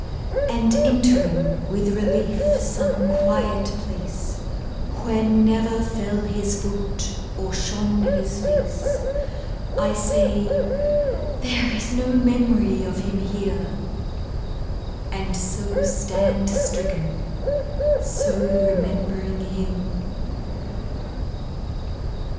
And entering with relief some quiet place Where never fell his foot or shone his face I say, "There is no memory of him here!" And so stand stricken, so remembering him!